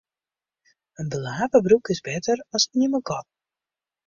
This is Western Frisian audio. In belape broek is better as ien mei gatten.